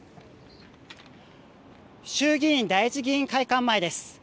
衆議院第一議員会館前です。